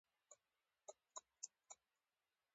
ځینې محصلین د ارام چاپېریال لټون کوي.